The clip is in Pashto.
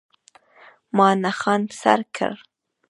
ما نښان سر کړ.